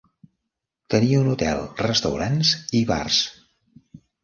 Tenia un hotel, restaurants i bars.